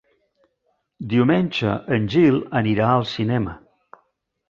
Diumenge en Gil anirà al cinema.